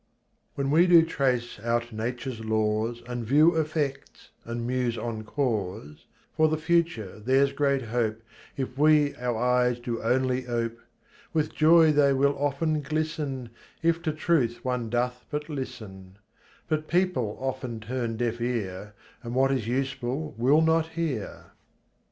When we do trace out nature's laws, And view effects, and muse on cause, For the future there's great hope If we our eyes do only ope. With joy they will often glisten, If to truth one doth but listen ; But people often turn deaf ear And what is useful will not hear.